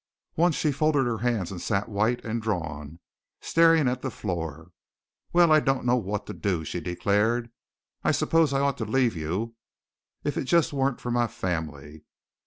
Once she folded her hands and sat white and drawn, staring at the floor. "Well, I don't know what to do," she declared. "I suppose I ought to leave you. If it just weren't for my family!